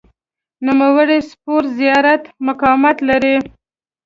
نوموړی سپور زیات مقاومت لري.